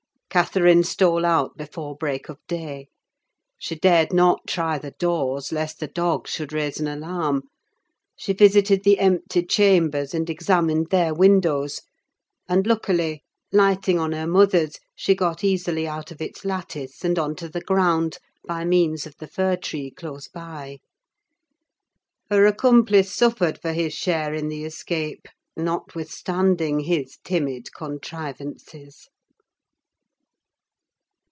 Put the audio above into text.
Catherine stole out before break of day. She dared not try the doors lest the dogs should raise an alarm; she visited the empty chambers and examined their windows; and, luckily, lighting on her mother's, she got easily out of its lattice, and on to the ground, by means of the fir tree close by. Her accomplice suffered for his share in the escape, notwithstanding his timid contrivances.